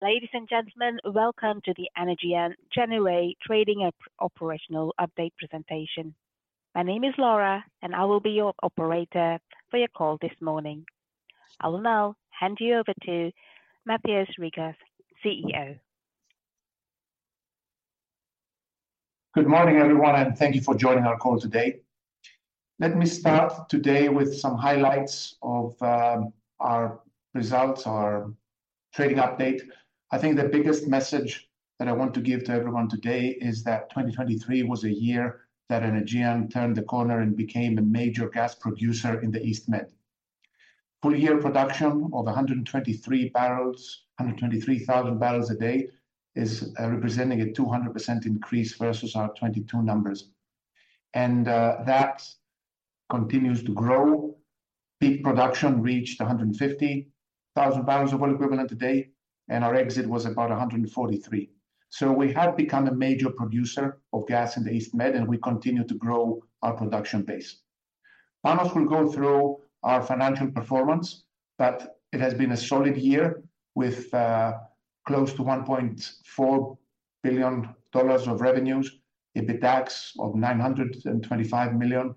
Ladies and gentlemen, welcome to the Energean January trading update - operational update presentation. My name is Laura, and I will be your operator for your call this morning. I will now hand you over to Mathios Rigas, CEO. Good morning, everyone, and thank you for joining our call today. Let me start today with some highlights of our results, our trading update. I think the biggest message that I want to give to everyone today is that 2023 was a year that Energean turned the corner and became a major gas producer in the East Med. Full year production of 123 barrels, 123,000 barrels a day, is representing a 200% increase versus our 2022 numbers. And that continues to grow. Peak production reached 150,000 barrels of oil equivalent a day, and our exit was about 143. So we have become a major producer of gas in the East Med, and we continue to grow our production base. Panos will go through our financial performance, but it has been a solid year with close to $1.4 billion of revenues, EBITDA of $925 million,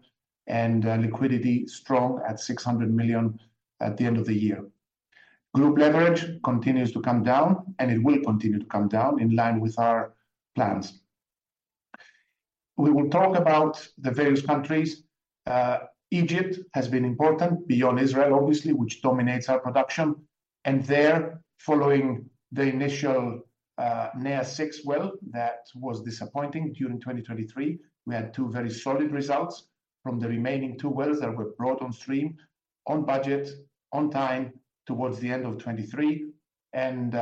and liquidity strong at $600 million at the end of the year. Group leverage continues to come down, and it will continue to come down in line with our plans. We will talk about the various countries. Egypt has been important beyond Israel, obviously, which dominates our production. And there, following the initial NEA-6 well that was disappointing during 2023, we had two very solid results from the remaining two wells that were brought on stream, on budget, on time, towards the end of 2023, and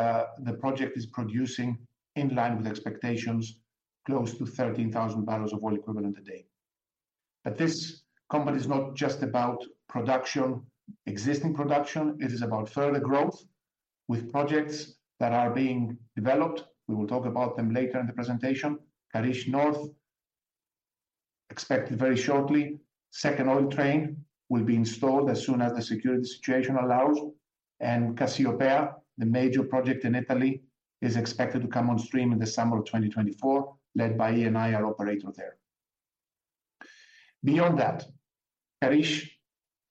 the project is producing in line with expectations, close to 13,000 barrels of oil equivalent a day. But this company is not just about production, existing production, it is about further growth with projects that are being developed. We will talk about them later in the presentation. Karish North, expected very shortly. Second oil train will be installed as soon as the security situation allows. And Cassiopea, the major project in Italy, is expected to come on stream in the summer of 2024, led by Eni, our operator there. Beyond that, Karish...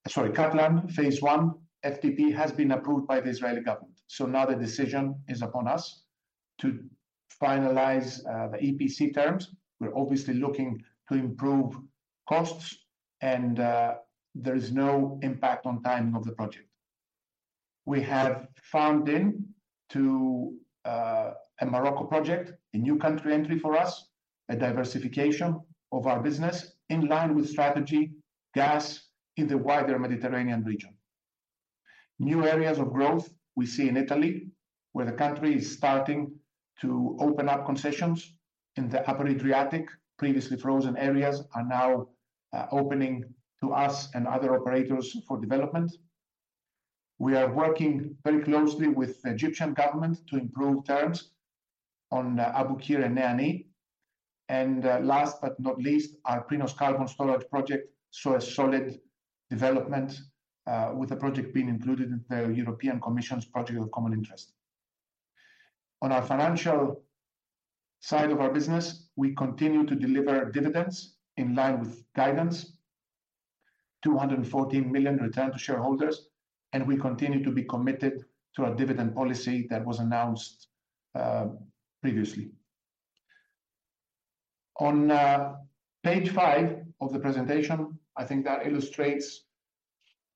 Sorry, Katlan Phase One, FTP has been approved by the Israeli government, so now the decision is upon us to finalize, the EPC terms. We're obviously looking to improve costs and, there is no impact on timing of the project. We have farmed in to, a Morocco project, a new country entry for us, a diversification of our business in line with strategy, gas in the wider Mediterranean region. New areas of growth we see in Italy, where the country is starting to open up concessions in the Upper Adriatic. Previously frozen areas are now opening to us and other operators for development. We are working very closely with the Egyptian government to improve terms on Abu Qir and NEA NI. And last but not least, our Prinos carbon storage project saw a solid development with the project being included in the European Commission's Project of Common Interest. On our financial side of our business, we continue to deliver dividends in line with guidance, $214 million return to shareholders, and we continue to be committed to our dividend policy that was announced previously. On page five of the presentation, I think that illustrates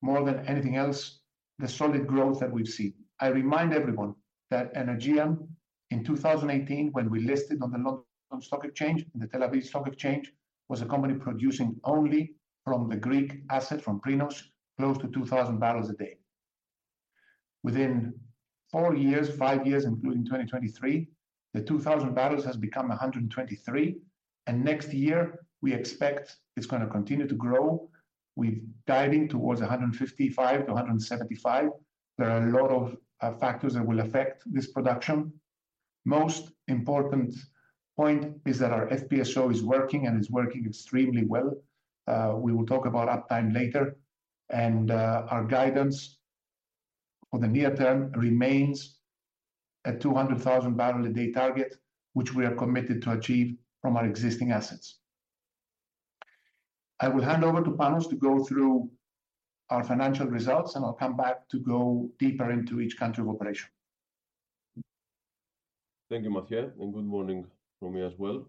more than anything else, the solid growth that we've seen. I remind everyone that Energean, in 2018, when we listed on the London Stock Exchange, the Tel Aviv Stock Exchange, was a company producing only from the Greek asset, from Prinos, close to 2,000 barrels a day. Within 4 years, 5 years, including 2023, the 2,000 barrels has become 123, and next year, we expect it's gonna continue to grow. We're driving towards 155-175. There are a lot of factors that will affect this production. Most important point is that our FPSO is working, and it's working extremely well. We will talk about uptime later, and our guidance for the near term remains at 200,000 barrel a day target, which we are committed to achieve from our existing assets. I will hand over to Panos to go through our financial results, and I'll come back to go deeper into each country of operation. Thank you, Mathios, and good morning from me as well.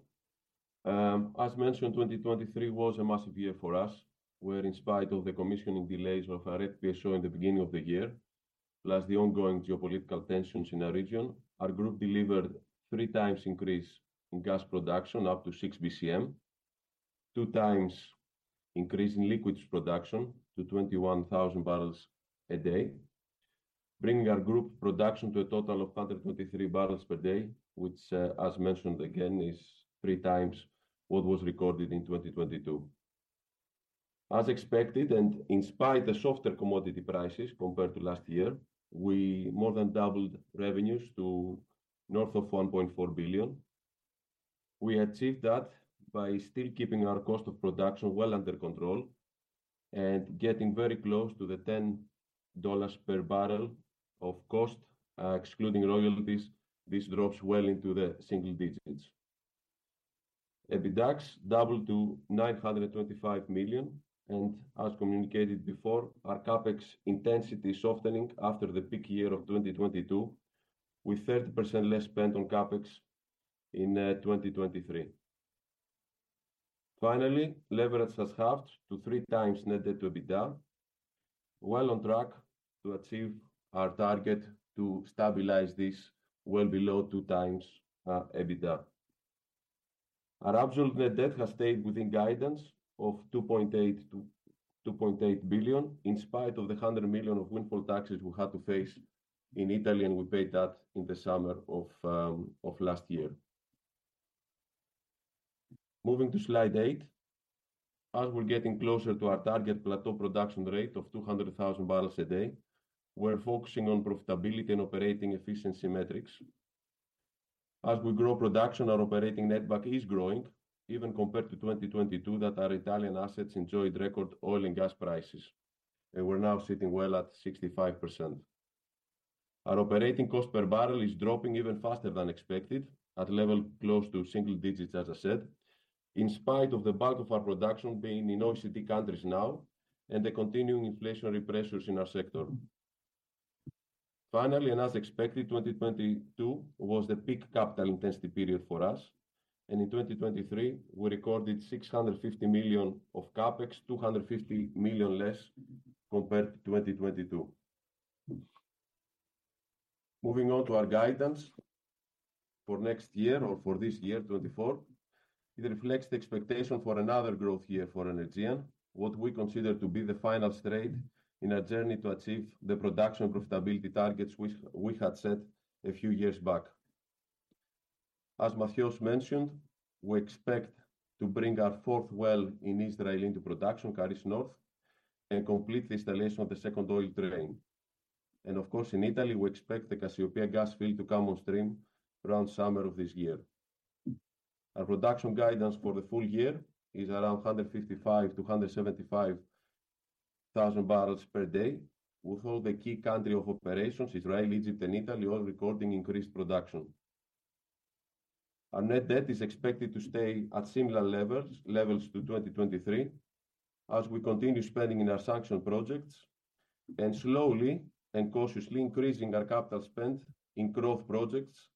As mentioned, 2023 was a massive year for us, where in spite of the commissioning delays of our FPSO in the beginning of the year, plus the ongoing geopolitical tensions in our region, our group delivered 3 times increase in gas production, up to 6 BCM, 2 times increase in liquids production to 21,000 barrels a day, bringing our group production to a total of 123 barrels per day, which, as mentioned again, is 3 times what was recorded in 2022. As expected, and in spite of the softer commodity prices compared to last year, we more than doubled revenues to north of $1.4 billion. We achieved that by still keeping our cost of production well under control and getting very close to the $10 per barrel of cost. Excluding royalties, this drops well into the single digits. EBITDAX doubled to $925 million, and as communicated before, our CapEx intensity softening after the peak year of 2022, with 30% less spent on CapEx in 2023. Finally, leverage has halved to 3x net debt to EBITDA, well on track to achieve our target to stabilize this well below 2x EBITDA. Our absolute net debt has stayed within guidance of $2.8 billion-$2.8 billion, in spite of the $100 million of windfall taxes we had to face in Italy, and we paid that in the summer of last year. Moving to slide 8. As we're getting closer to our target plateau production rate of 200,000 barrels a day, we're focusing on profitability and operating efficiency metrics. As we grow production, our operating netback is growing, even compared to 2022, that our Italian assets enjoyed record oil and gas prices, and we're now sitting well at 65%. Our operating cost per barrel is dropping even faster than expected, at a level close to single digits, as I said, in spite of the bulk of our production being in OECD countries now and the continuing inflationary pressures in our sector. Finally, and as expected, 2022 was the peak capital intensity period for us, and in 2023, we recorded $650 million of CapEx, $250 million less compared to 2022. Moving on to our guidance for next year or for this year, 2024, it reflects the expectation for another growth year for Energean, what we consider to be the final straight in our journey to achieve the production profitability targets, which we had set a few years back. As Matthew mentioned, we expect to bring our fourth well in Israel into production, Karish North, and complete the installation of the second oil train. And of course, in Italy, we expect the Cassiopea gas field to come on stream around summer of this year. Our production guidance for the full year is around 155-175 thousand barrels per day, with all the key country of operations, Israel, Egypt and Italy, all recording increased production. Our net debt is expected to stay at similar levels, levels to 2023, as we continue spending in our sanctioned projects and slowly and cautiously increasing our capital spend in growth projects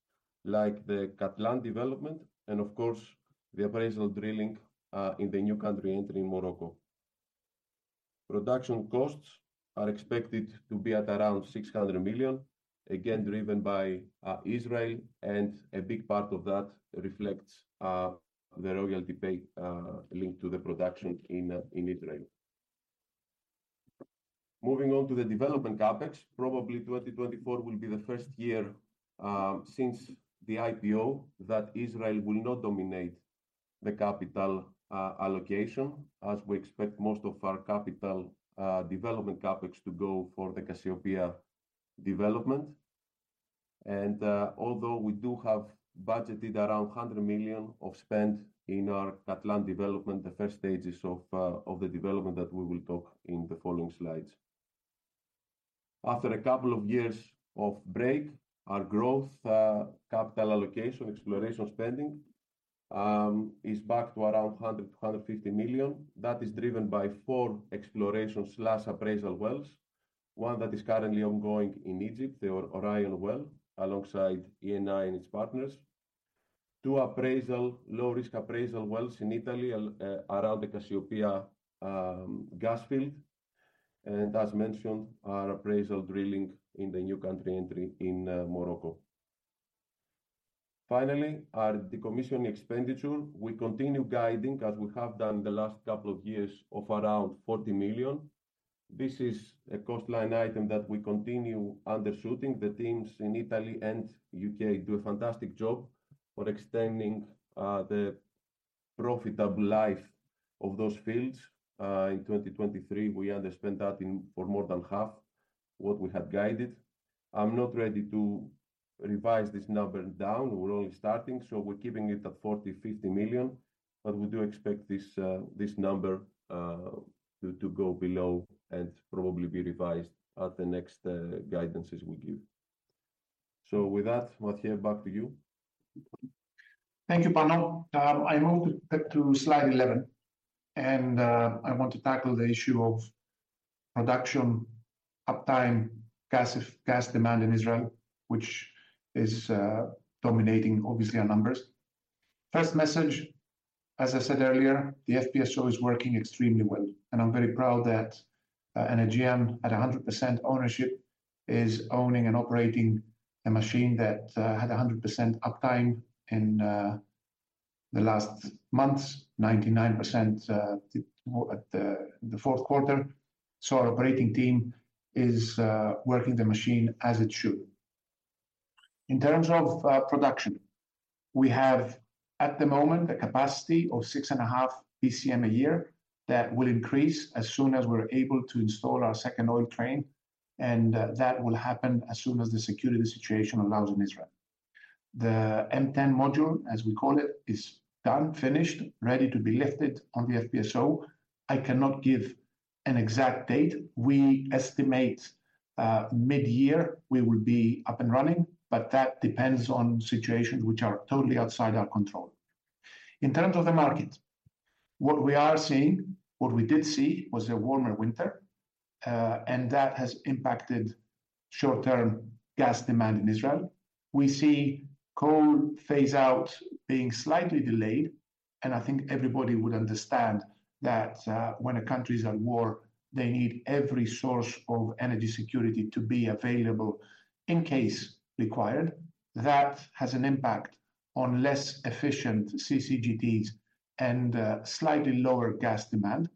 like the Katlan development and of course, the appraisal drilling, in the new country entry in Morocco. Production costs are expected to be at around $600 million, again, driven by, Israel, and a big part of that reflects, the royalty pay, linked to the production in, in Israel. Moving on to the development CapEx. Probably 2024 will be the first year, since the IPO, that Israel will not dominate the capital, allocation, as we expect most of our capital, development CapEx to go for the Cassiopea development. Although we do have budgeted around $100 million of spend in our Katlan development, the first stages of the development that we will talk in the following slides. After a couple of years of break, our growth capital allocation, exploration spending is back to around $100-$150 million. That is driven by four exploration slash appraisal wells, one that is currently ongoing in Egypt, the Orion well, alongside Eni and its partners. Two appraisal, low-risk appraisal wells in Italy, around the Cassiopea gas field, and as mentioned, our appraisal drilling in the new country entry in Morocco. Finally, our decommissioning expenditure. We continue guiding, as we have done the last couple of years, of around $40 million. This is a cost line item that we continue undershooting. The teams in Italy and UK do a fantastic job for extending the profitable life of those fields. In 2023, we underspent that in for more than half what we had guided. I'm not ready to revise this number down. We're only starting, so we're keeping it at $40-$50 million, but we do expect this this number to to go below and probably be revised at the next guidances we give. So with that, Mathios, back to you. Thank you, Panos. I move to slide 11, and I want to tackle the issue of production, uptime, gas demand in Israel, which is dominating obviously our numbers. First message, as I said earlier, the FPSO is working extremely well, and I'm very proud that Energean, at 100% ownership, is owning and operating a machine that had 100% uptime in the last months, 99% at the fourth quarter. So our operating team is working the machine as it should. In terms of production, we have, at the moment, a capacity of 6.5 BCM a year that will increase as soon as we're able to install our second oil train and that will happen as soon as the security situation allows in Israel. The M10 module, as we call it, is done, finished, ready to be lifted on the FPSO. I cannot give an exact date. We estimate, mid-year we will be up and running, but that depends on situations which are totally outside our control. In terms of the market, what we are seeing, what we did see was a warmer winter, and that has impacted short-term gas demand in Israel. We see coal phase out being slightly delayed, and I think everybody would understand that, when a country is at war, they need every source of energy security to be available in case required. That has an impact on less efficient CCGTs and, slightly lower gas demand.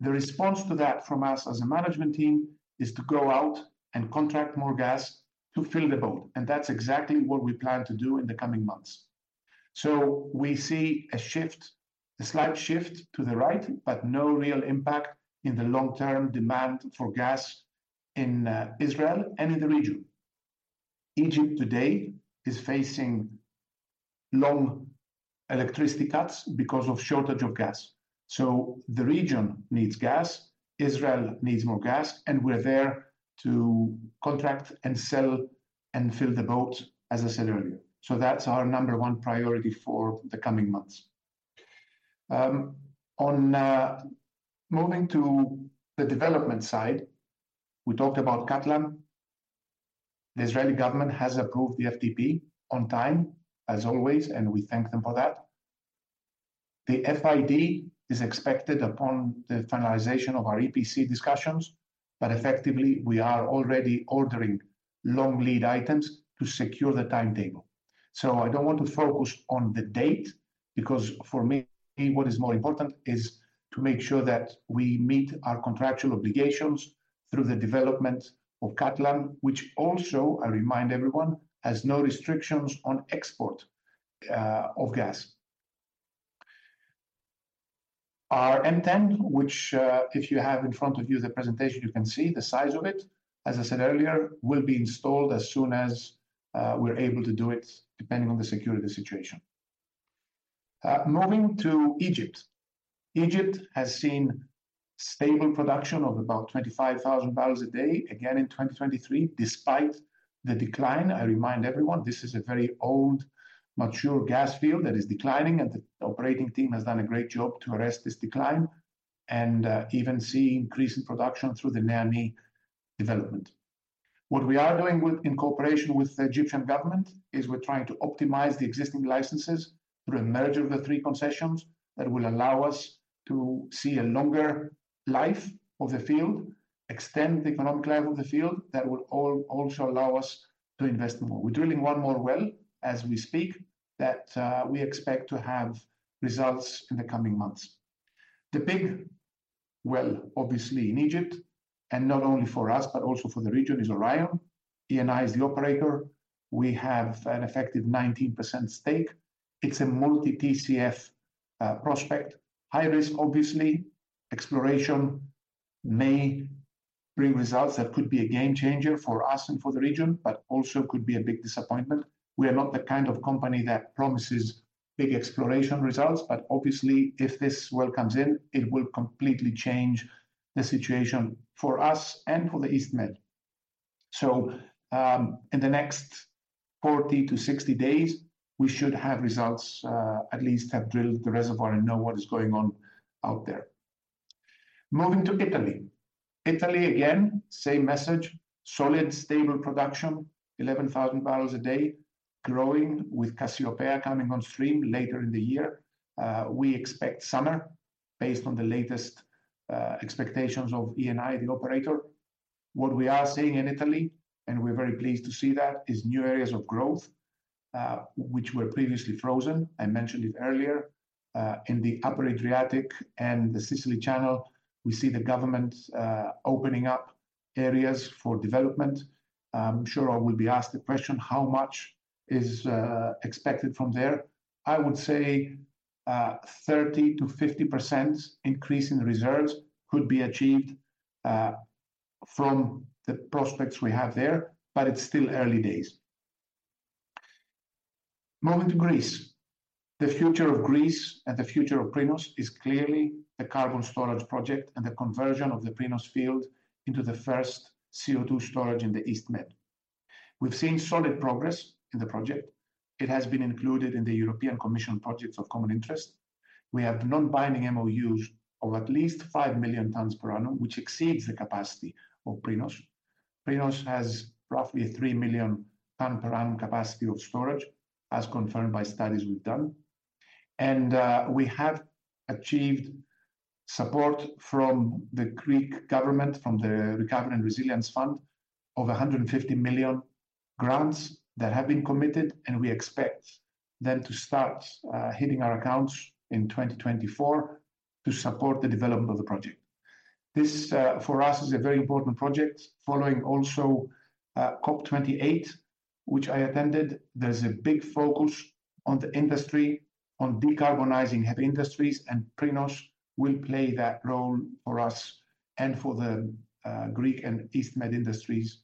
The response to that from us as a management team is to go out and contract more gas to fill the boat, and that's exactly what we plan to do in the coming months. So we see a shift, a slight shift to the right, but no real impact in the long-term demand for gas in Israel and in the region. Egypt today is facing long electricity cuts because of shortage of gas. So the region needs gas, Israel needs more gas, and we're there to contract and sell and fill the boat, as I said earlier. So that's our number one priority for the coming months. Moving to the development side, we talked about Katlan. The Israeli government has approved the FTP on time, as always, and we thank them for that. The FID is expected upon the finalization of our EPC discussions, but effectively, we are already ordering long lead items to secure the timetable. So I don't want to focus on the date, because for me, what is more important is to make sure that we meet our contractual obligations through the development of Katlan, which also, I remind everyone, has no restrictions on export, of gas. Our M10, which, if you have in front of you the presentation, you can see the size of it, as I said earlier, will be installed as soon as, we're able to do it, depending on the security situation. Moving to Egypt. Egypt has seen stable production of about 25,000 barrels a day, again in 2023, despite the decline. I remind everyone, this is a very old, mature gas field that is declining, and the operating team has done a great job to arrest this decline and even see increase in production through the NEA development. What we are doing with, in cooperation with the Egyptian government, is we're trying to optimize the existing licenses through a merger of the three concessions that will allow us to see a longer life of the field, extend the economic life of the field. That will also allow us to invest more. We're drilling one more well as we speak, that we expect to have results in the coming months. The big well, obviously, in Egypt, and not only for us, but also for the region, is Orion. Eni is the operator. We have an effective 19% stake. It's a multi TCF prospect. High risk, obviously. Exploration may bring results that could be a game changer for us and for the region, but also could be a big disappointment. We are not the kind of company that promises big exploration results, but obviously, if this well comes in, it will completely change the situation for us and for the East Med. So, in the next 40-60 days, we should have results, at least have drilled the reservoir and know what is going on out there. Moving to Italy. Italy, again, same message, solid, stable production, 11,000 barrels a day, growing with Cassiopea coming on stream later in the year. We expect summer based on the latest expectations of Eni, the operator. What we are seeing in Italy, and we're very pleased to see that, is new areas of growth, which were previously frozen. I mentioned it earlier, in the Upper Adriatic and the Sicily Channel, we see the government opening up areas for development. I'm sure I will be asked the question, how much is expected from there? I would say, 30%-50% increase in reserves could be achieved from the prospects we have there, but it's still early days. Moving to Greece. The future of Greece and the future of Prinos is clearly the carbon storage project and the conversion of the Prinos field into the first CO2 storage in the EastMed. We've seen solid progress in the project. It has been included in the European Commission Projects of Common Interest. We have non-binding MOUs of at least 5 million tons per annum, which exceeds the capacity of Prinos. Prinos has roughly a 3 million ton per annum capacity of storage, as confirmed by studies we've done. We have achieved support from the Greek government, from the Recovery and Resilience Fund, of 150 million grants that have been committed, and we expect them to start hitting our accounts in 2024 to support the development of the project. This, for us, is a very important project following also COP 28, which I attended. There's a big focus on the industry, on decarbonizing heavy industries, and Prinos will play that role for us and for the Greek and East Med industries,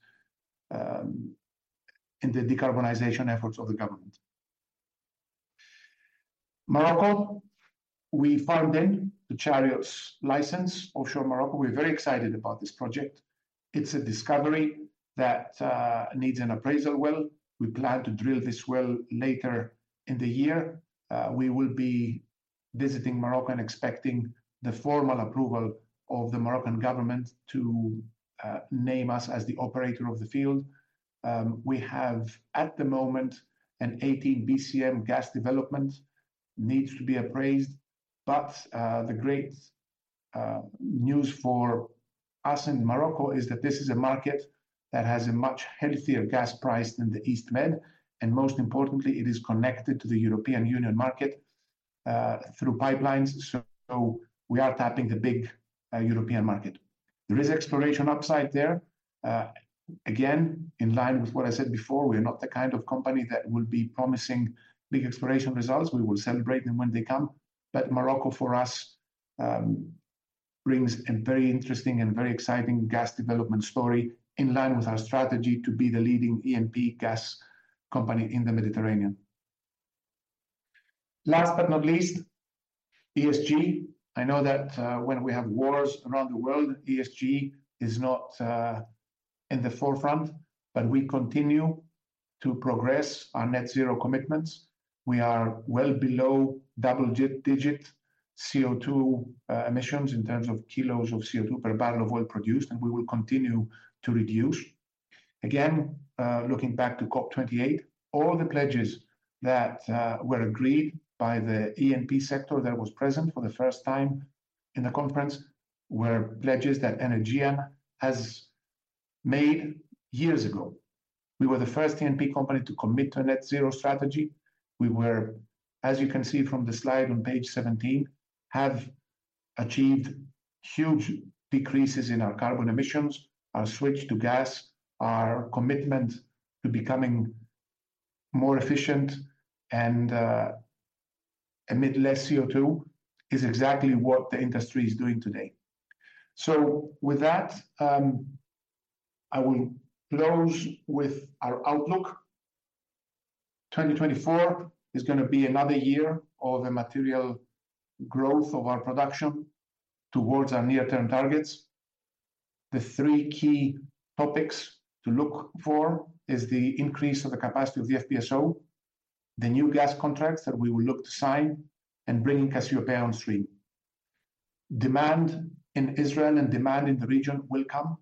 in the decarbonization efforts of the government. Morocco, we farmed in the Chariot license, offshore Morocco. We're very excited about this project. It's a discovery that needs an appraisal well. We plan to drill this well later in the year. We will be visiting Morocco and expecting the formal approval of the Moroccan government to name us as the operator of the field. We have, at the moment, an 18 BCM gas development needs to be appraised, but the great news for us in Morocco is that this is a market that has a much healthier gas price than the EastMed, and most importantly, it is connected to the European Union market through pipelines. So we are tapping the big European market. There is exploration upside there. Again, in line with what I said before, we are not the kind of company that will be promising big exploration results. We will celebrate them when they come. But Morocco, for us, brings a very interesting and very exciting gas development story in line with our strategy to be the leading E&P gas company in the Mediterranean. Last but not least, ESG. I know that, when we have wars around the world, ESG is not in the forefront, but we continue to progress our net zero commitments. We are well below double-digit CO2 emissions in terms of kilos of CO2 per barrel of oil produced, and we will continue to reduce. Again, looking back to COP28, all the pledges that were agreed by the E&P sector that was present for the first time in the conference were pledges that Energean has made years ago. We were the first E&P company to commit to a net zero strategy. We were, as you can see from the slide on page 17, have achieved huge decreases in our carbon emissions. Our switch to gas, our commitment to becoming more efficient and emit less CO2 is exactly what the industry is doing today. So with that, I will close with our outlook. 2024 is gonna be another year of the material growth of our production towards our near-term targets. The three key topics to look for is the increase of the capacity of the FPSO, the new gas contracts that we will look to sign, and bringing Cassiopea on stream. Demand in Israel and demand in the region will come,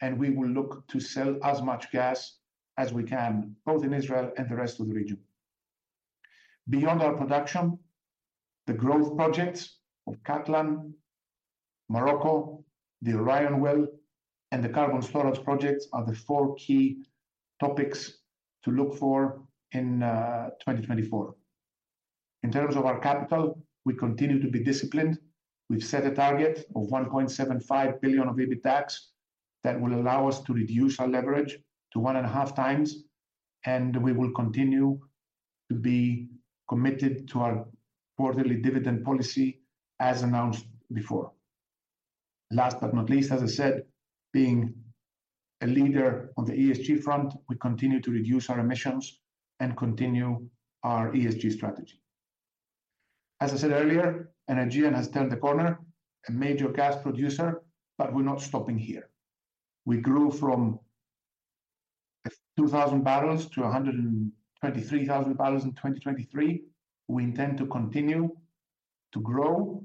and we will look to sell as much gas as we can, both in Israel and the rest of the region. Beyond our production, the growth projects of Katlan, Morocco, the Orion well, and the carbon storage projects are the four key topics to look for in 2024. In terms of our capital, we continue to be disciplined. We've set a target of $1.75 billion of EBITDA that will allow us to reduce our leverage to 1.5 times, and we will continue to be committed to our quarterly dividend policy as announced before. Last but not least, as I said, being a leader on the ESG front, we continue to reduce our emissions and continue our ESG strategy. As I said earlier, Energean has turned the corner, a major gas producer, but we're not stopping here. We grew from 2,000 barrels to 123,000 barrels in 2023. We intend to continue to grow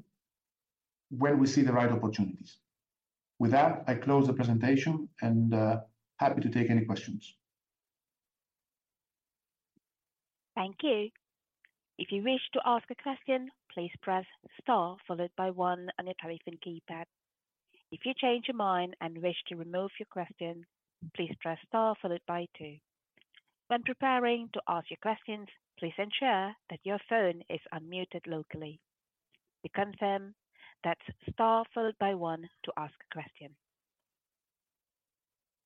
where we see the right opportunities. With that, I close the presentation, and happy to take any questions. Thank you. If you wish to ask a question, please press star followed by one on your telephone keypad. If you change your mind and wish to remove your question, please press star followed by two. When preparing to ask your questions, please ensure that your phone is unmuted locally. To confirm, that's star followed by one to ask a question.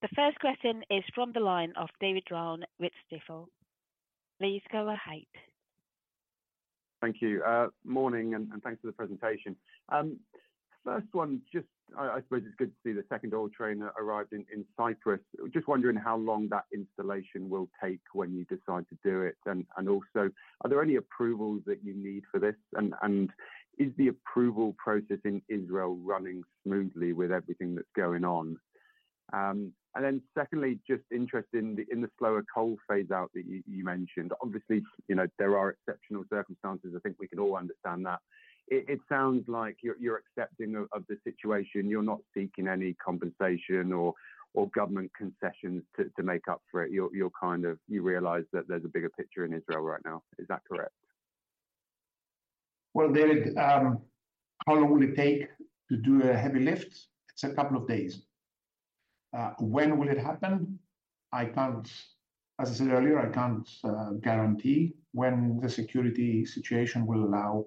The first question is from the line of David Round with Stifel. Please go ahead. Thank you. Morning, and thanks for the presentation. First one, just... I suppose it's good to see the second oil train arriving in Cyprus. Just wondering how long that installation will take when you decide to do it. And also, are there any approvals that you need for this? And is the approval process in Israel running smoothly with everything that's going on? And then secondly, just interested in the slower coal phaseout that you mentioned. Obviously, you know, there are exceptional circumstances. I think we can all understand that. It sounds like you're accepting of the situation. You're not seeking any compensation or government concessions to make up for it. You're kind of... You realize that there's a bigger picture in Israel right now. Is that correct? Well, David, how long will it take to do a heavy lift? It's a couple of days. When will it happen? I can't. As I said earlier, I can't guarantee when the security situation will allow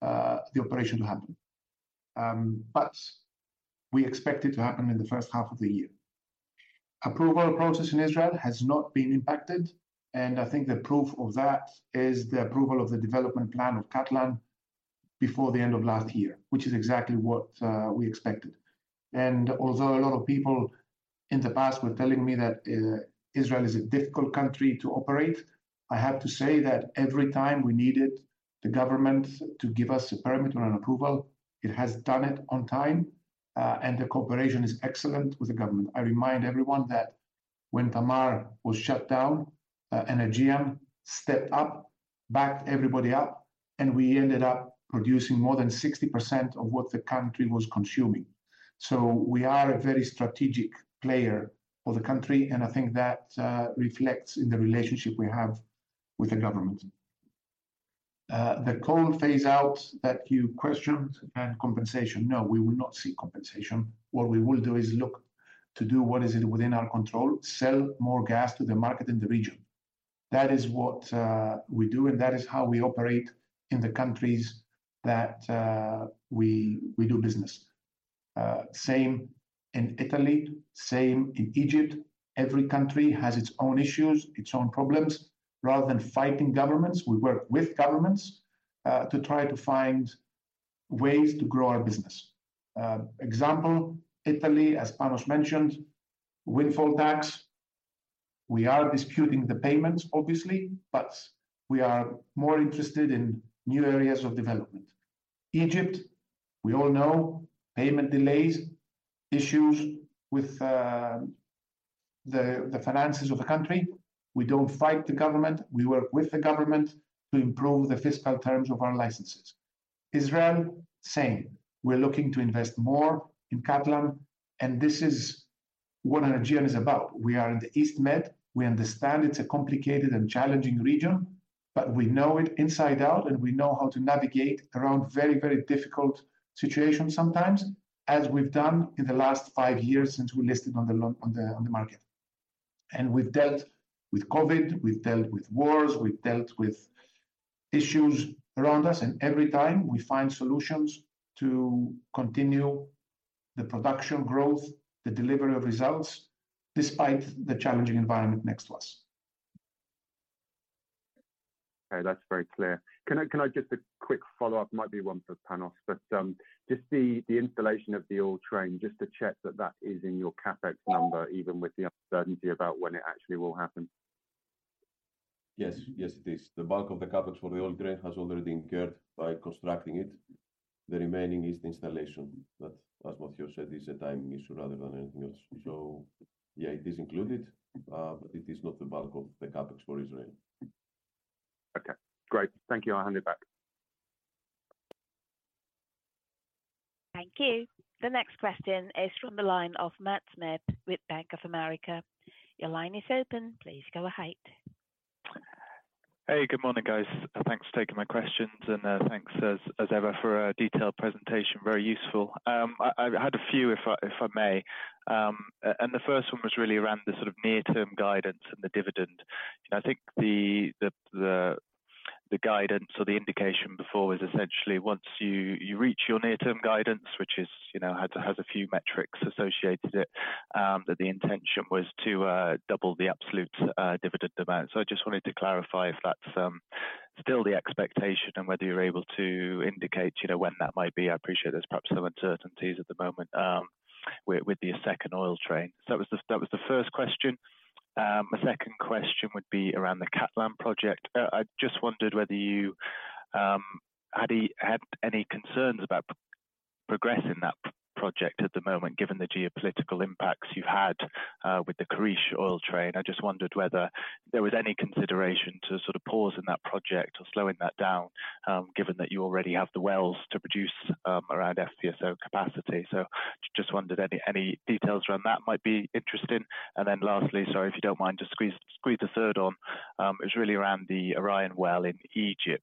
the operation to happen. But we expect it to happen in the first half of the year. Approval process in Israel has not been impacted, and I think the proof of that is the approval of the development plan of Katlan before the end of last year, which is exactly what we expected. And although a lot of people in the past were telling me that Israel is a difficult country to operate, I have to say that every time we needed the government to give us a permit or an approval, it has done it on time, and the cooperation is excellent with the government. I remind everyone that when Tamar was shut down, Energean stepped up, backed everybody up, and we ended up producing more than 60% of what the country was consuming. So we are a very strategic player for the country, and I think that reflects in the relationship we have with the government. The coal phase out that you questioned and compensation, no, we will not seek compensation. What we will do is look to do what is within our control, sell more gas to the market in the region. That is what we do, and that is how we operate in the countries that we do business. Same in Italy, same in Egypt. Every country has its own issues, its own problems. Rather than fighting governments, we work with governments to try to find ways to grow our business. Example, Italy, as Panos mentioned, windfall tax. We are disputing the payments, obviously, but we are more interested in new areas of development. Egypt, we all know, payment delays, issues with the finances of the country. We don't fight the government. We work with the government to improve the fiscal terms of our licenses. Israel, same. We're looking to invest more in Katlan, and this is what Energean is about. We are in the East Med. We understand it's a complicated and challenging region, but we know it inside out, and we know how to navigate around very, very difficult situations sometimes, as we've done in the last five years since we listed on the market. We've dealt with COVID, we've dealt with wars, we've dealt with issues around us, and every time we find solutions to continue the production growth, the delivery of results, despite the challenging environment next to us. Okay, that's very clear. Can I, can I just a quick follow-up, might be one for Panos, but, just the, the installation of the oil train, just to check that that is in your CapEx number, even with the uncertainty about when it actually will happen? Yes. Yes, it is. The bulk of the CapEx for the old train has already been incurred by constructing it. The remaining is the installation, but as Matthew said, it's a timing issue rather than anything else. So yeah, it is included, but it is not the bulk of the CapEx for Israel. Okay, great. Thank you. I'll hand it back. Thank you. The next question is from the line of Matt Smith with Bank of America. Your line is open. Please go ahead. Hey, good morning, guys. Thanks for taking my questions, and thanks as ever for a detailed presentation. Very useful. I had a few, if I may. And the first one was really around the sort of near-term guidance and the dividend. I think the guidance or the indication before was essentially once you reach your near-term guidance, which is, you know, has a few metrics associated it, that the intention was to double the absolute dividend amount. So I just wanted to clarify if that's still the expectation and whether you're able to indicate, you know, when that might be. I appreciate there's perhaps some uncertainties at the moment, with the second oil train. So that was the first question. My second question would be around the Katlan project. I just wondered whether you had any concerns about progressing that project at the moment, given the geopolitical impacts you had with the Karish oil trade. I just wondered whether there was any consideration to sort of pausing that project or slowing that down, given that you already have the wells to produce around FPSO capacity. So just wondered any details around that might be interesting. And then lastly, sorry, if you don't mind, just squeeze a third on is really around the Orion well in Egypt.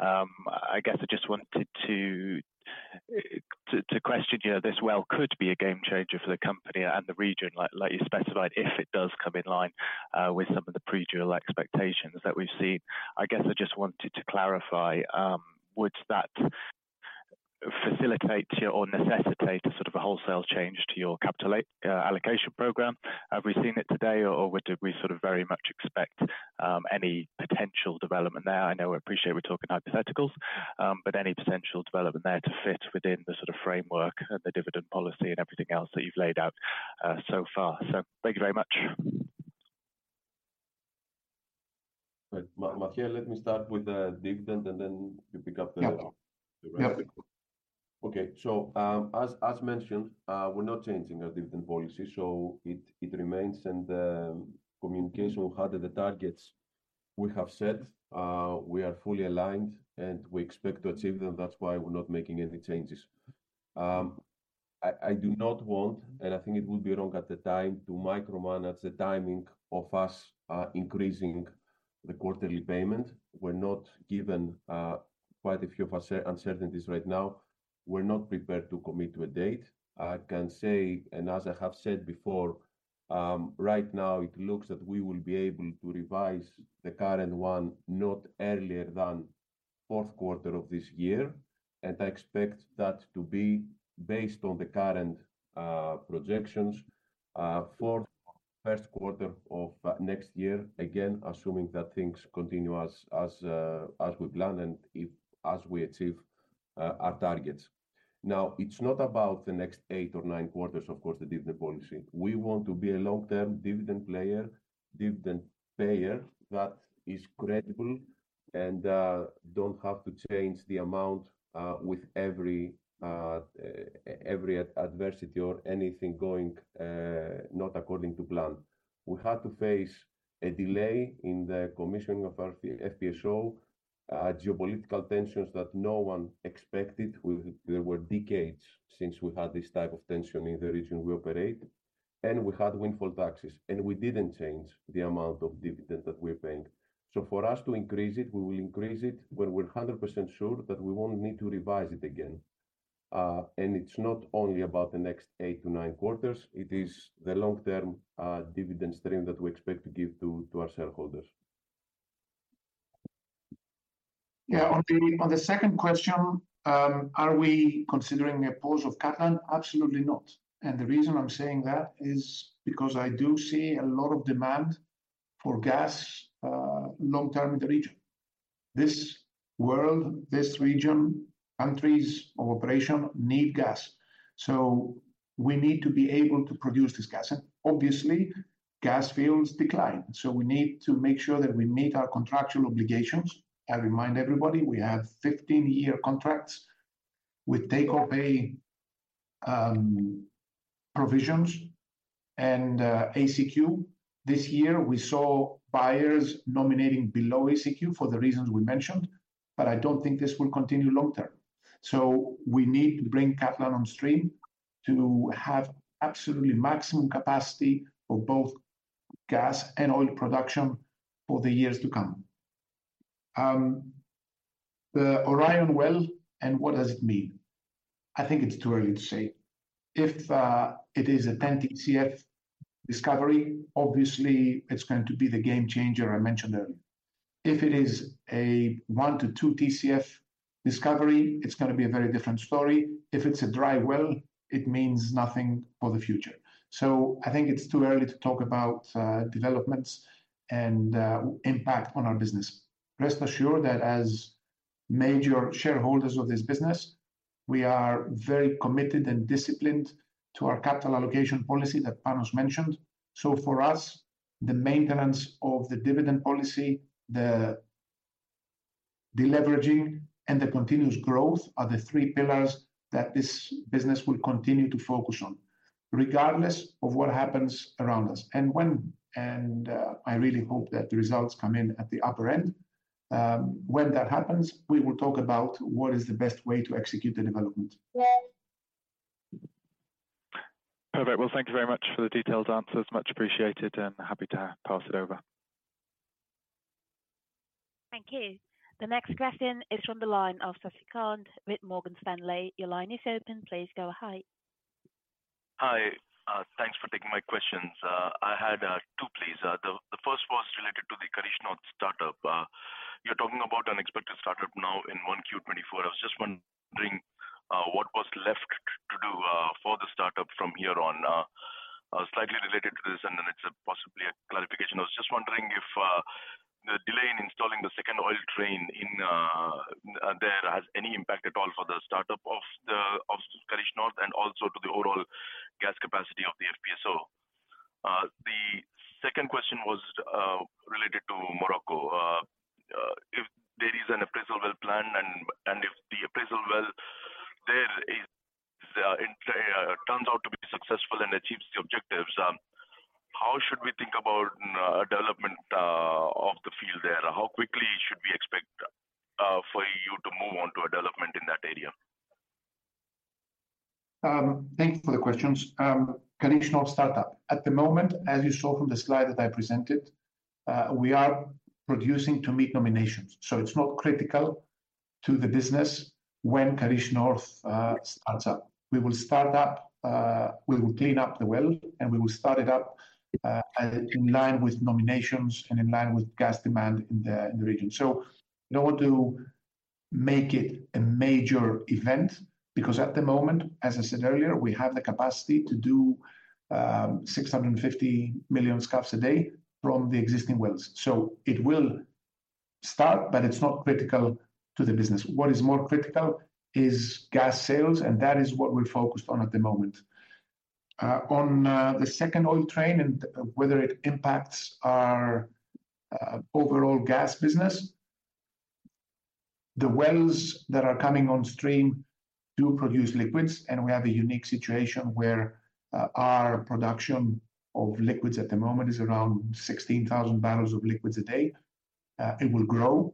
I guess I just wanted to question you, this well could be a game changer for the company and the region, like you specified, if it does come in line with some of the pre-drill expectations that we've seen. I guess I just wanted to clarify, would that facilitate or necessitate a sort of a wholesale change to your capital allocation program? Have we seen it today, or would we sort of very much expect any potential development there? I know, I appreciate we're talking hypotheticals, but any potential development there to fit within the sort of framework and the dividend policy and everything else that you've laid out so far. So thank you very much. Right. Mathios, let me start with the dividend, and then you pick up the- Yeah. The rest. Yeah. Okay. So, as mentioned, we're not changing our dividend policy, so it remains and the communication we had at the targets, we have said, we are fully aligned, and we expect to achieve them. That's why we're not making any changes. I do not want, and I think it will be wrong at the time, to micromanage the timing of us increasing the quarterly payment. We're not, given quite a few of our current uncertainties right now. We're not prepared to commit to a date. I can say, and as I have said before... Right now it looks that we will be able to revise the current one, not earlier than fourth quarter of this year, and I expect that to be based on the current projections for first quarter of next year. Again, assuming that things continue as we plan and if we achieve our targets. Now, it's not about the next 8 or 9 quarters, of course, the dividend policy. We want to be a long-term dividend player, dividend payer, that is credible and don't have to change the amount with every adversity or anything going not according to plan. We had to face a delay in the commissioning of our FPSO, geopolitical tensions that no one expected. They were decades since we had this type of tension in the region we operate, and we had windfall taxes, and we didn't change the amount of dividend that we're paying. So for us to increase it, we will increase it when we're 100% sure that we won't need to revise it again. And it's not only about the next 8-9 quarters. It is the long-term dividend stream that we expect to give to our shareholders. Yeah. On the, on the second question, are we considering a pause of CapEx? Absolutely not. And the reason I'm saying that is because I do see a lot of demand for gas, long term in the region. This world, this region, countries of operation, need gas, so we need to be able to produce this gas. And obviously, gas fields decline, so we need to make sure that we meet our contractual obligations. I remind everybody, we have 15-year contracts with take or pay, provisions and, ACQ. This year, we saw buyers nominating below ACQ for the reasons we mentioned, but I don't think this will continue long term. So we need to bring CapEx on stream to have absolutely maximum capacity for both gas and oil production for the years to come. The Orion well, and what does it mean? I think it's too early to say. If it is a 10 TCF discovery, obviously it's going to be the game changer I mentioned earlier. If it is a 1-2 TCF discovery, it's gonna be a very different story. If it's a dry well, it means nothing for the future. So I think it's too early to talk about developments and impact on our business. Rest assured that as major shareholders of this business, we are very committed and disciplined to our capital allocation policy that Panos mentioned. So for us, the maintenance of the dividend policy, the deleveraging, and the continuous growth are the three pillars that this business will continue to focus on, regardless of what happens around us. And when, and I really hope that the results come in at the upper end. When that happens, we will talk about what is the best way to execute the development. Perfect. Well, thank you very much for the detailed answers. Much appreciated, and happy to pass it over. Thank you. The next question is from the line of Sasikanth Chilukuru with Morgan Stanley. Your line is open. Please go ahead. Hi. Thanks for taking my questions. I had two, please. The first was related to the Karish North startup. You're talking about unexpected startup now in 1Q 2024. I was just wondering what was left to do for the startup from here on? Slightly related to this, and then it's possibly a clarification. I was just wondering if the delay in installing the second oil train in there has any impact at all for the startup of Karish North and also to the overall gas capacity of the FPSO. The second question was related to Morocco. If there is an appraisal well planned, and if the appraisal well there turns out to be successful and achieves the objectives, how should we think about development of the field there? How quickly should we expect for you to move on to a development in that area? Thank you for the questions. Karish North startup. At the moment, as you saw from the slide that I presented, we are producing to meet nominations, so it's not critical to the business when Karish North starts up. We will start up, we will clean up the well, and we will start it up in line with nominations and in line with gas demand in the region. So in order to make it a major event, because at the moment, as I said earlier, we have the capacity to do 650 million scf/d from the existing wells. So it will start, but it's not critical to the business. What is more critical is gas sales, and that is what we're focused on at the moment. On the second oil train and whether it impacts our overall gas business, the wells that are coming on stream do produce liquids, and we have a unique situation where our production of liquids at the moment is around 16,000 barrels of liquids a day. It will grow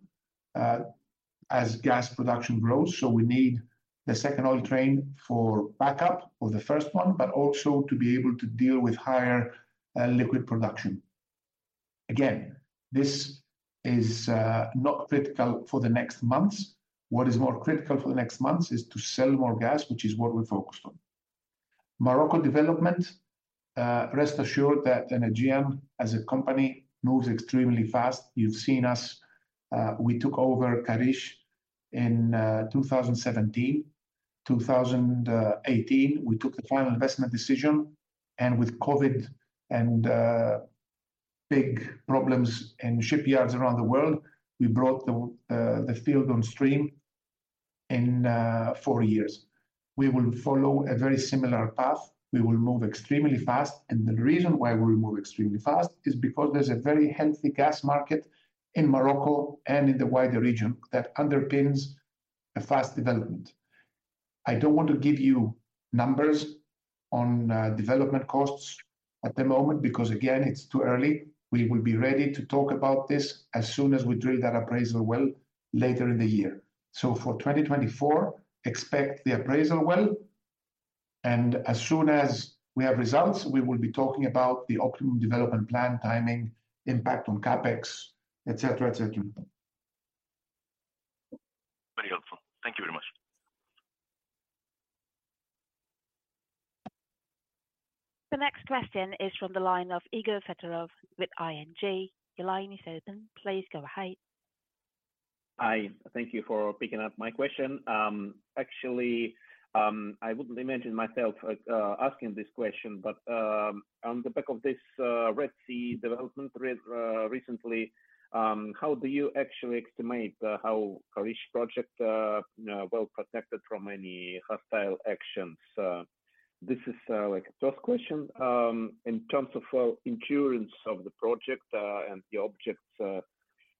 as gas production grows, so we need the second oil train for backup for the first one, but also to be able to deal with higher liquid production. Again, this is not critical for the next months. What is more critical for the next months is to sell more gas, which is what we're focused on. Morocco development, rest assured that Energean, as a company, moves extremely fast. You've seen us, we took over Karish in 2017. 2018, we took the final investment decision, and with COVID and big problems in shipyards around the world, we brought the field on stream in 4 years. We will follow a very similar path. We will move extremely fast, and the reason why we will move extremely fast is because there's a very healthy gas market in Morocco and in the wider region that underpins a fast development. I don't want to give you numbers on development costs at the moment because, again, it's too early. We will be ready to talk about this as soon as we drill that appraisal well later in the year. So for 2024, expect the appraisal well, and as soon as we have results, we will be talking about the optimum development plan, timing, impact on CapEx, et cetera, et cetera. Very helpful. Thank you very much. The next question is from the line of Igor Sutyagin with ING. Your line is open. Please go ahead. Hi, thank you for picking up my question. Actually, I wouldn't imagine myself asking this question, but on the back of this Red Sea development recently, how do you actually estimate how Karish project well protected from any hostile actions? This is like a tough question. In terms of insurance of the project and the objects,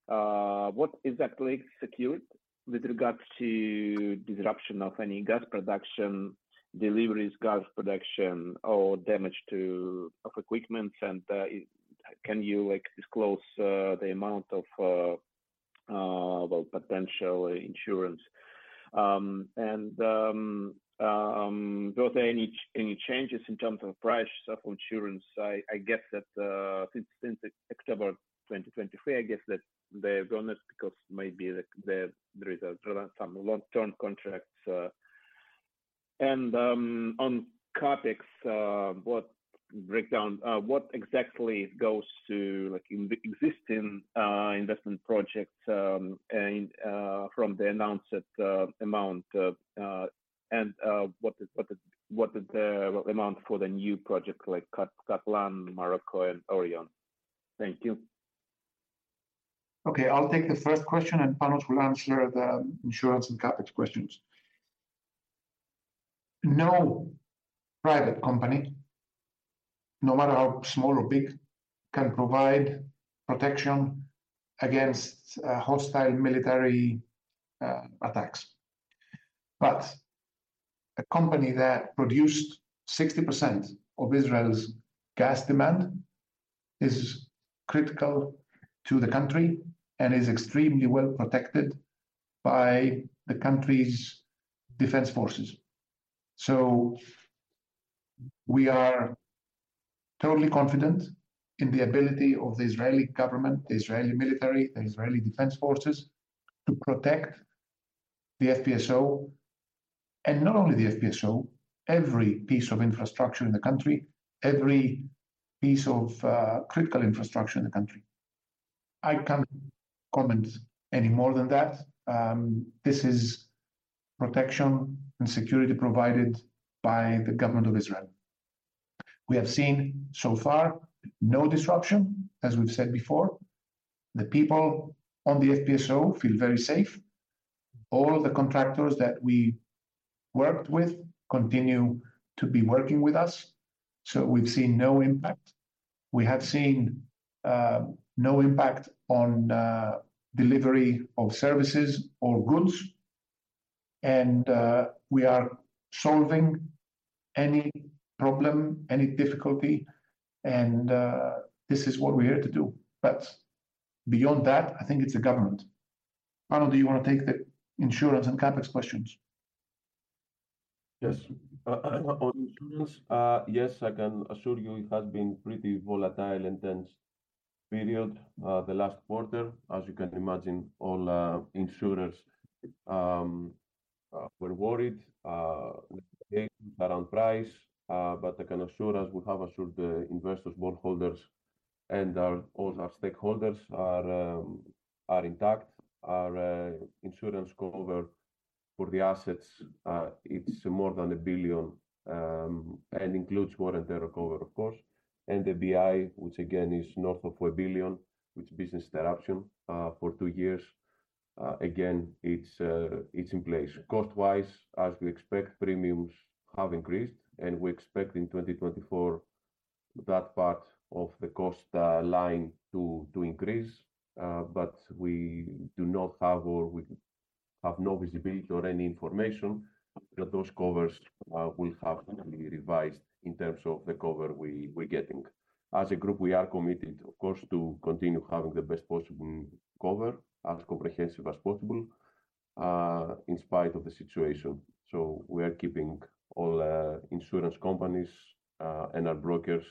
what exactly is secured with regards to disruption of any gas production, deliveries, gas production, or damage to of equipment? And can you like disclose the amount of well potential insurance? And were there any changes in terms of price of insurance? I guess that since October 2023, I guess that they've gone up because maybe there is some long-term contracts. And on CapEx, what breakdown—what exactly goes to, like, in the existing investment projects, and from the announced amount, and what is the amount for the new project, like, Katlan, Morocco, and Orion? Thank you. Okay, I'll take the first question, and Panos will answer the insurance and CapEx questions. No private company, no matter how small or big, can provide protection against hostile military attacks. But a company that produced 60% of Israel's gas demand is critical to the country and is extremely well protected by the country's defense forces. So we are totally confident in the ability of the Israeli government, the Israeli military, the Israeli Defense Forces, to protect the FPSO, and not only the FPSO, every piece of infrastructure in the country, every piece of critical infrastructure in the country. I can't comment any more than that. This is protection and security provided by the government of Israel. We have seen so far no disruption, as we've said before. The people on the FPSO feel very safe. All the contractors that we worked with continue to be working with us, so we've seen no impact. We have seen no impact on delivery of services or goods, and we are solving any problem, any difficulty, and this is what we're here to do. But beyond that, I think it's the government. Panos, do you want to take the insurance and CapEx questions? Yes. On insurance, yes, I can assure you it has been a pretty volatile, intense period. The last quarter, as you can imagine, all insurers were worried with war and price. But I can assure you, we have assured the investors, stockholders, and all our stakeholders are intact. Our insurance cover for the assets, it's more than $1 billion, and includes more than the recovery, of course, and the BI, which again, is north of $1 billion, which is business interruption for two years, again, it's in place. Cost-wise, as we expect, premiums have increased, and we expect in 2024, that part of the cost line to increase. But we do not have or we have no visibility or any information that those covers will have to be revised in terms of the cover we're getting. As a group, we are committed, of course, to continue having the best possible cover, as comprehensive as possible.... in spite of the situation. So we are keeping all, insurance companies, and our brokers,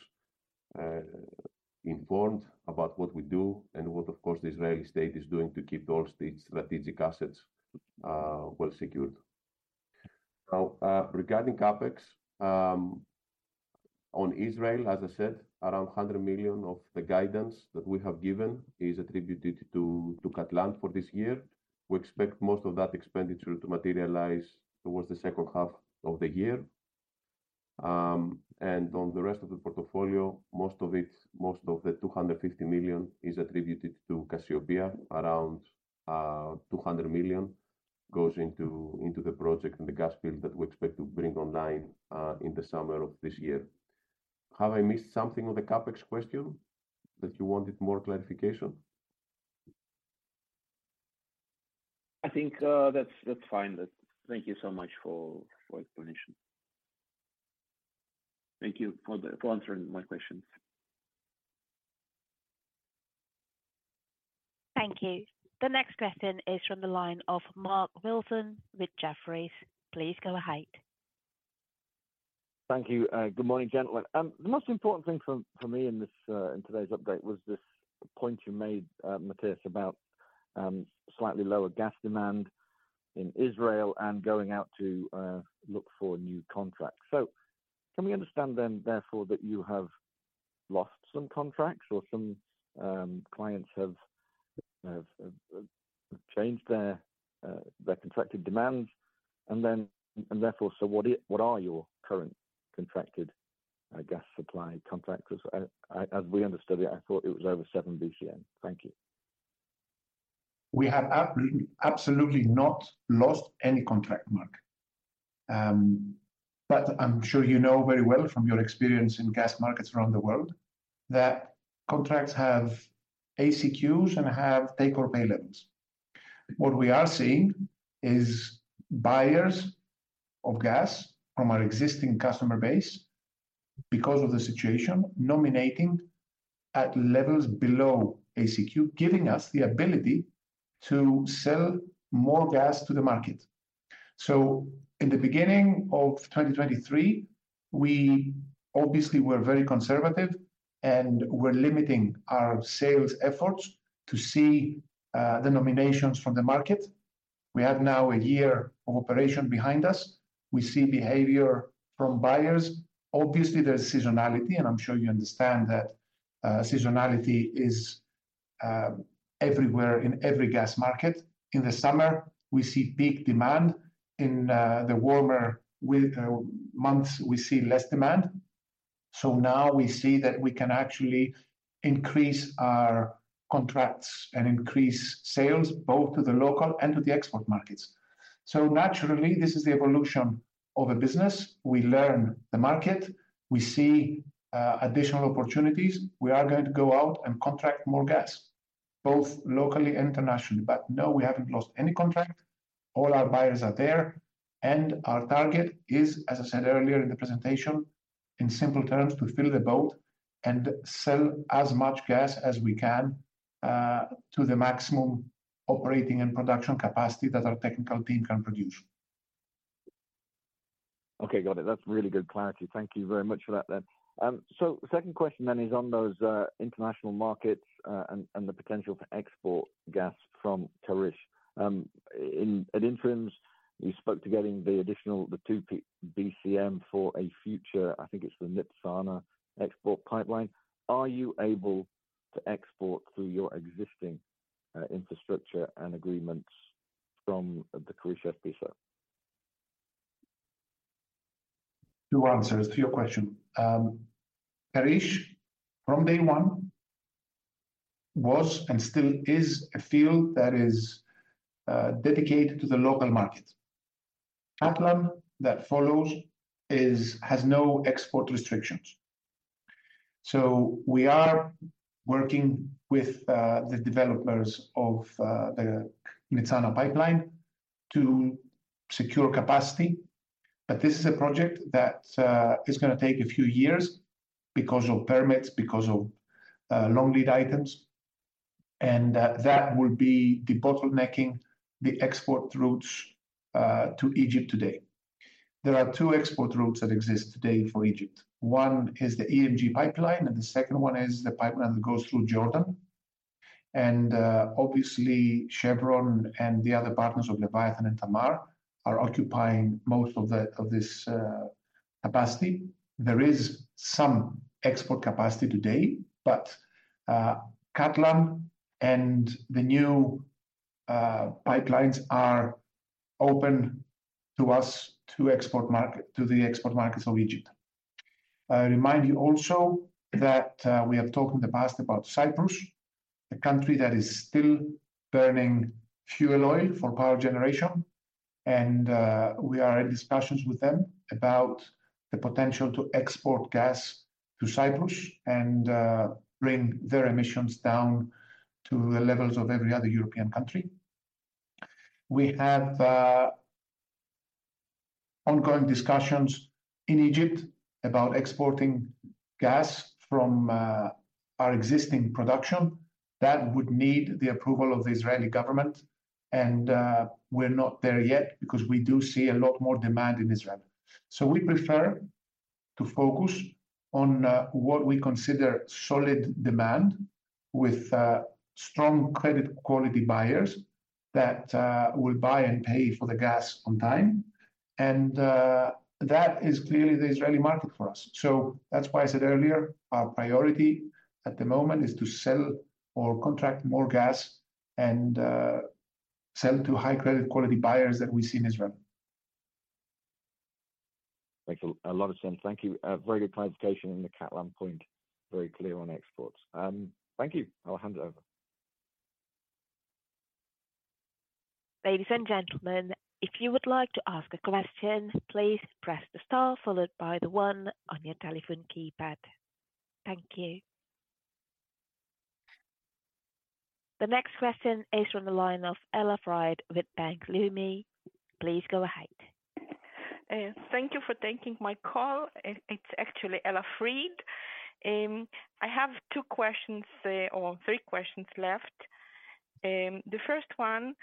informed about what we do and what, of course, the Israeli state is doing to keep all state strategic assets, well secured. Now, regarding CapEx, on Israel, as I said, around $100 million of the guidance that we have given is attributed to Katlan for this year. We expect most of that expenditure to materialize towards the second half of the year. And on the rest of the portfolio, most of it, most of the $250 million is attributed to Cassiopea. Around, $200 million goes into the project and the gas field that we expect to bring online, in the summer of this year. Have I missed something on the CapEx question, that you wanted more clarification? I think, that's, that's fine. Thank you so much for explanation. Thank you for answering my questions. Thank you. The next question is from the line of Mark Wilson with Jefferies. Please go ahead. Thank you. Good morning, gentlemen. The most important thing for me in this in today's update was this point you made, Mathios, about slightly lower gas demand in Israel and going out to look for new contracts. So can we understand then, therefore, that you have lost some contracts or some clients have changed their contracted demands? And then... And therefore, so what is-- what are your current contracted gas supply contracts? 'Cause I... As we understood it, I thought it was over 7 BCM. Thank you. We have absolutely not lost any contract, Mark. But I'm sure you know very well from your experience in gas markets around the world, that contracts have ACQs and have take or pay levels. What we are seeing is buyers of gas from our existing customer base, because of the situation, nominating at levels below ACQ, giving us the ability to sell more gas to the market. So in the beginning of 2023, we obviously were very conservative, and we're limiting our sales efforts to see the nominations from the market. We have now a year of operation behind us. We see behavior from buyers. Obviously, there's seasonality, and I'm sure you understand that, seasonality is everywhere in every gas market. In the summer, we see peak demand. In the warmer months, we see less demand. So now we see that we can actually increase our contracts and increase sales, both to the local and to the export markets. So naturally, this is the evolution of a business. We learn the market. We see additional opportunities. We are going to go out and contract more gas, both locally and internationally. But no, we haven't lost any contract. All our buyers are there, and our target is, as I said earlier in the presentation, in simple terms, to fill the boat and sell as much gas as we can to the maximum operating and production capacity that our technical team can produce. Okay, got it. That's really good clarity. Thank you very much for that then. So second question then is on those international markets and the potential to export gas from Karish. In prints, you spoke to getting the additional, the 2P BCM for a future, I think it's the Nitzana export pipeline. Are you able to export through your existing infrastructure and agreements from the Karish FPSO? Two answers to your question. Karish, from day one, was and still is a field that is dedicated to the local market. Katlan, that follows, is, has no export restrictions. So we are working with the developers of the Nitzana pipeline to secure capacity. But this is a project that is gonna take a few years because of permits, because of long lead items, and that will be debottlenecking the export routes to Egypt today. There are two export routes that exist today for Egypt. One is the EMG pipeline, and the second one is the pipeline that goes through Jordan. And obviously, Chevron and the other partners of Leviathan and Tamar are occupying most of the capacity. There is some export capacity today, but Katlan and the new pipelines are open to us to export markets to the export markets of Egypt. I remind you also that we have talked in the past about Cyprus, a country that is still burning fuel oil for power generation, and we are in discussions with them about the potential to export gas to Cyprus and bring their emissions down to the levels of every other European country. We have ongoing discussions in Egypt about exporting gas from our existing production. That would need the approval of the Israeli government, and we're not there yet because we do see a lot more demand in Israel. So we prefer to focus on what we consider solid demand with strong credit quality buyers that will buy and pay for the gas on time, and that is clearly the Israeli market for us. So that's why I said earlier, our priority at the moment is to sell or contract more gas and sell to high credit quality buyers that we see in Israel. Makes a lot of sense. Thank you. Very good clarification on the Katlan point. Very clear on exports. Thank you. I'll hand it over. Ladies and gentlemen, if you would like to ask a question, please press the star followed by the one on your telephone keypad. Thank you. The next question is from the line of Ella Fried with Bank Leumi. Please go ahead. Thank you for taking my call. It's actually Ella Fried. I have two questions or three questions left. The first one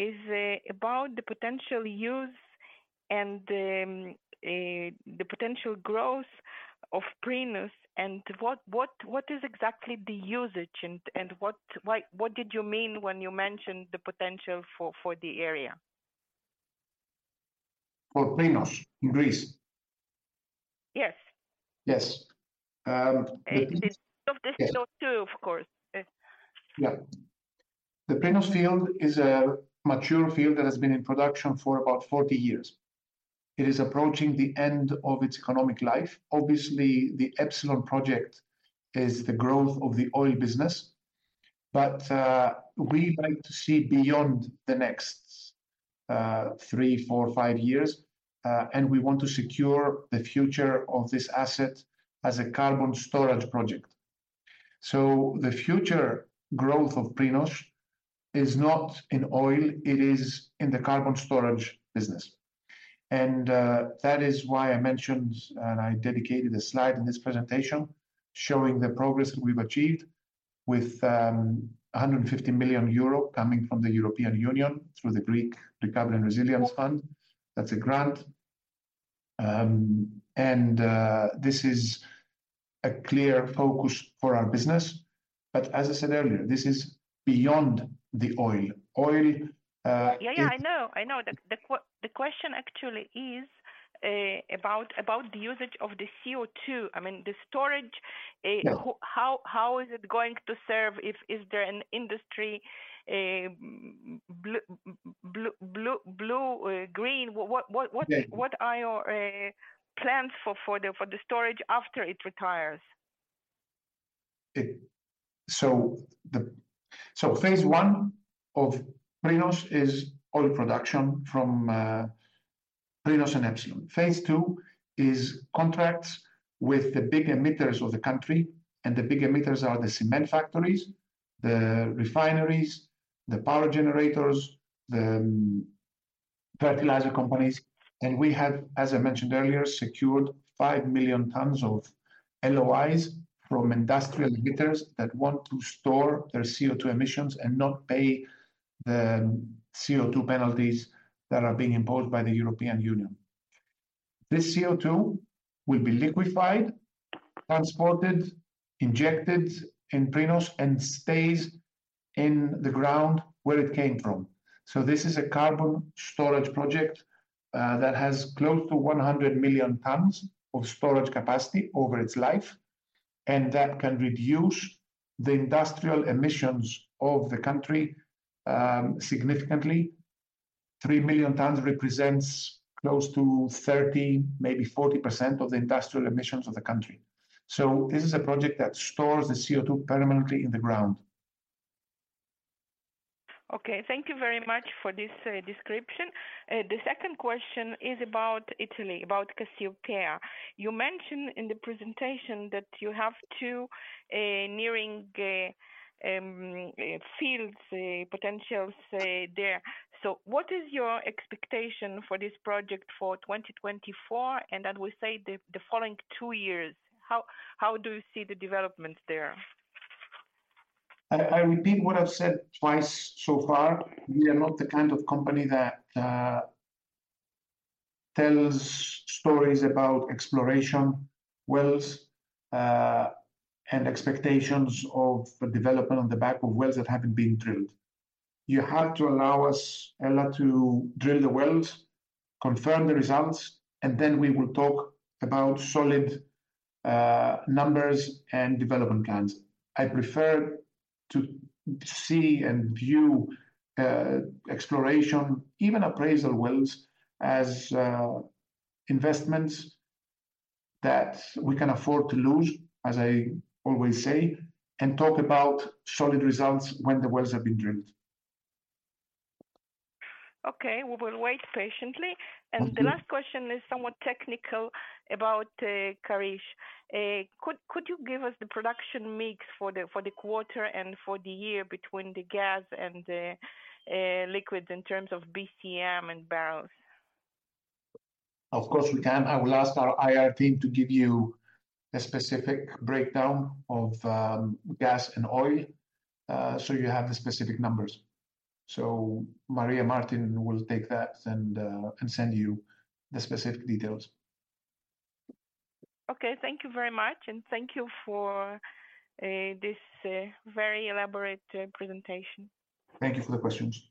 is about the potential use and the potential growth of Prinos, and what exactly is the usage and what did you mean when you mentioned the potential for the area? For Prinos in Greece? Yes. Yes. Um, The CO2, of course. Yeah. The Prinos field is a mature field that has been in production for about 40 years. It is approaching the end of its economic life. Obviously, the Epsilon project is the growth of the oil business, but we like to see beyond the next 3, 4, 5 years, and we want to secure the future of this asset as a carbon storage project. So the future growth of Prinos is not in oil, it is in the carbon storage business. And that is why I mentioned, and I dedicated a slide in this presentation, showing the progress that we've achieved with 150 million euro coming from the European Union through the Greek Recovery and Resilience Fund. That's a grant. And this is a clear focus for our business. But as I said earlier, this is beyond the oil. Oil, uh- Yeah, yeah, I know. I know. The question actually is about the usage of the CO2. I mean, the storage. Yeah... how is it going to serve? If is there an industry, blue, green? What- Yeah... what are your plans for the storage after it retires? Phase one of Prinos is oil production from Prinos and Epsilon. Phase two is contracts with the big emitters of the country, and the big emitters are the cement factories, the refineries, the power generators, the fertilizer companies. We have, as I mentioned earlier, secured 5 million tons of LOIs from industrial emitters that want to store their CO2 emissions and not pay the CO2 penalties that are being imposed by the European Union. This CO2 will be liquefied, transported, injected in Prinos, and stays in the ground where it came from. This is a carbon storage project that has close to 100 million tons of storage capacity over its life, and that can reduce the industrial emissions of the country significantly. 3 million tons represents close to 30%, maybe 40% of the industrial emissions of the country. This is a project that stores the CO2 permanently in the ground. Okay, thank you very much for this description. The second question is about Italy, about Cassiopea. You mentioned in the presentation that you have two nearing fields potentials there. So what is your expectation for this project for 2024, and then we say the following two years? How do you see the development there? I, I repeat what I've said twice so far. We are not the kind of company that, tells stories about exploration wells, and expectations of development on the back of wells that haven't been drilled. You have to allow us, Ella, to drill the wells, confirm the results, and then we will talk about solid, numbers and development plans. I prefer to see and view, exploration, even appraisal wells, as, investments that we can afford to lose, as I always say, and talk about solid results when the wells have been drilled. Okay, we will wait patiently. Okay. The last question is somewhat technical about Karish. Could you give us the production mix for the quarter and for the year between the gas and the liquids in terms of BCM and barrels? ...Of course we can. I will ask our IR team to give you a specific breakdown of gas and oil, so you have the specific numbers. So Maria Martin will take that and send you the specific details. Okay, thank you very much, and thank you for this very elaborate presentation. Thank you for the questions.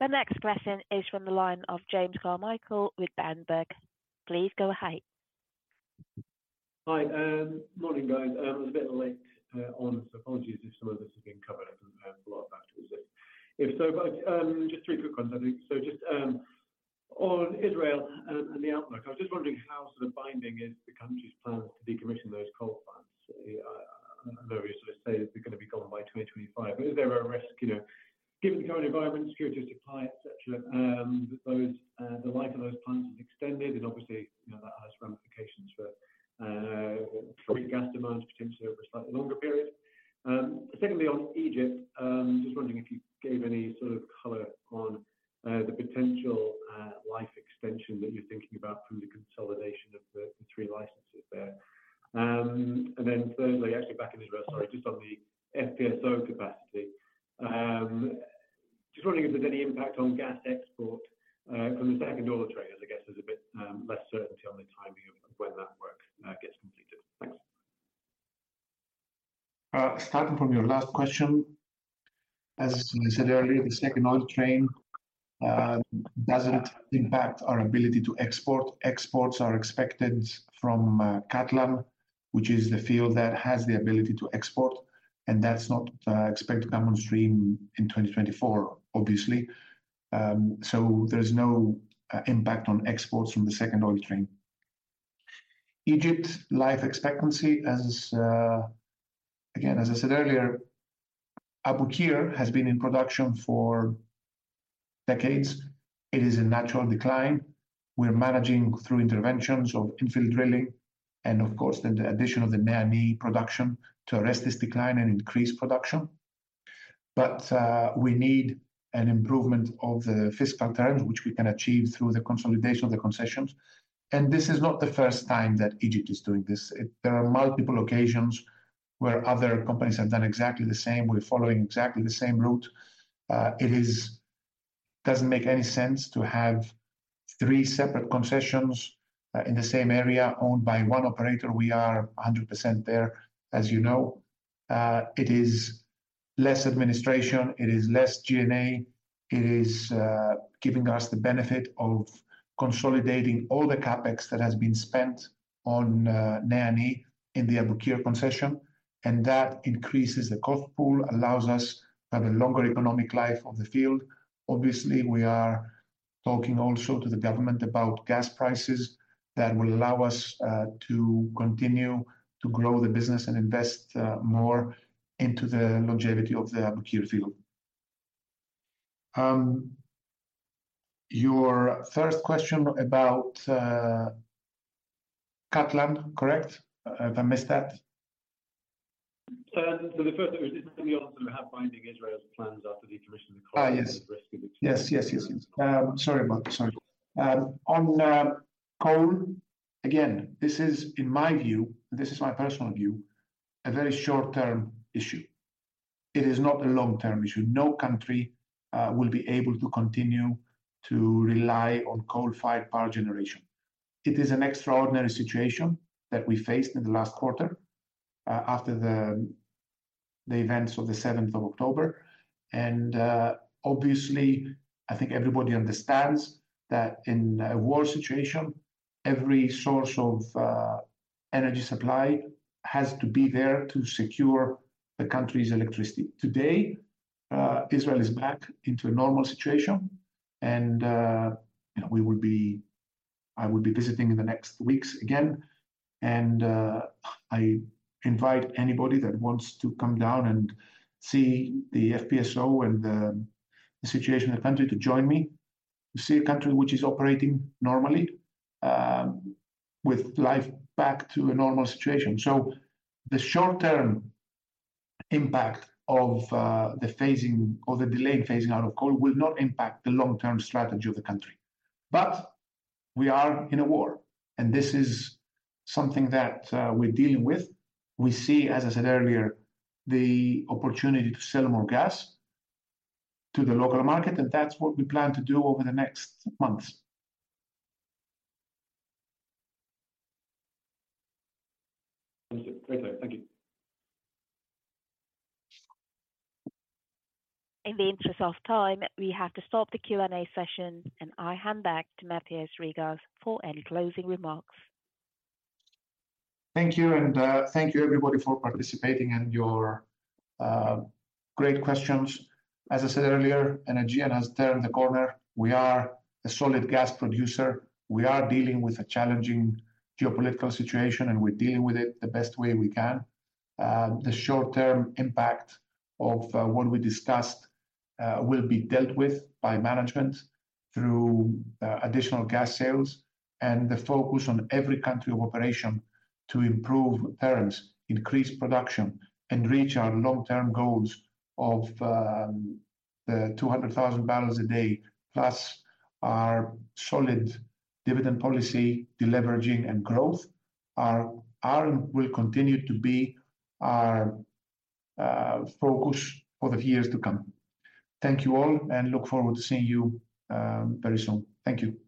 The next question is from the line of James Carmichael with Berenberg. Please go ahead. Hi, morning, guys. I was a bit late, so apologies if some of this has been covered. If so, just three quick ones, I think. So just, on Israel and the outlook, I was just wondering how sort of binding is the country's plans to decommission those coal plants? Various sort of say they're gonna be gone by 2025. But is there a risk, you know, given the current environment, security of supply, et cetera, that those, the life of those plants is extended and obviously, you know, that has ramifications for, free gas demands, potentially over a slightly longer period. Second, on Egypt, just wondering if you gave any sort of color on the potential life extension that you're thinking about through the consolidation of the three licenses there. And then thirdly, actually back in Israel, sorry, just on the FPSO capacity, just wondering if there's any impact on gas export from the second oil train, I guess there's a bit less certainty on the timing of when that work gets completed. Thanks. Starting from your last question, as I said earlier, the second oil train doesn't impact our ability to export. Exports are expected from Katlan, which is the field that has the ability to export, and that's not expected to come on stream in 2024, obviously. So there's no impact on exports from the second oil train. Egypt life expectancy, as again, as I said earlier, Abu Qir has been in production for decades. It is in natural decline. We're managing through interventions of infill drilling, and of course, the addition of the NEA production to arrest this decline and increase production. But we need an improvement of the fiscal terms, which we can achieve through the consolidation of the concessions, and this is not the first time that Egypt is doing this. There are multiple occasions where other companies have done exactly the same. We're following exactly the same route. It doesn't make any sense to have three separate concessions in the same area owned by one operator. We are 100% there, as you know. It is less administration, it is less G&A, it is giving us the benefit of consolidating all the CapEx that has been spent on NEA in the Abu Qir concession, and that increases the cost pool, allows us to have a longer economic life of the field. Obviously, we are talking also to the government about gas prices that will allow us to continue to grow the business and invest more into the longevity of the Abu Qir field. Your first question about Katlan, correct? If I missed that. The first one is how binding Israel's plans after the decommissioning of the- Ah, yes. Risk of the- Yes, yes, yes, yes. Sorry about that. Sorry. On coal, again, this is in my view, this is my personal view, a very short-term issue. It is not a long-term issue. No country will be able to continue to rely on coal-fired power generation. It is an extraordinary situation that we faced in the last quarter, after the events of the seventh of October, and obviously, I think everybody understands that in a war situation, every source of energy supply has to be there to secure the country's electricity. Today, Israel is back into a normal situation, and, you know, I will be visiting in the next weeks again, and, I invite anybody that wants to come down and see the FPSO and the situation in the country to join me, to see a country which is operating normally, with life back to a normal situation. So the short-term impact of the phasing or the delayed phasing out of coal will not impact the long-term strategy of the country. But we are in a war, and this is something that we're dealing with. We see, as I said earlier, the opportunity to sell more gas to the local market, and that's what we plan to do over the next months. Thank you. Thank you. In the interest of time, we have to stop the Q&A session, and I hand back to Mathios Rigas for any closing remarks. Thank you, and thank you everybody for participating and your great questions. As I said earlier, Energean has turned the corner. We are a solid gas producer. We are dealing with a challenging geopolitical situation, and we're dealing with it the best way we can. The short-term impact of what we discussed will be dealt with by management through additional gas sales and the focus on every country of operation to improve terms, increase production, and reach our long-term goals of the 200,000 barrels a day, plus our solid dividend policy, deleveraging, and growth are and will continue to be our focus for the years to come. Thank you all, and look forward to seeing you very soon. Thank you.